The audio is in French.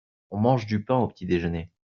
on mange du pain au petit-déjeuner.